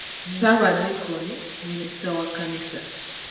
Ssabadinkoni minisita wa kkanisa.